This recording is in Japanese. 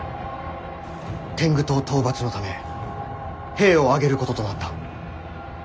天狗党討伐のため兵を挙げることとなった。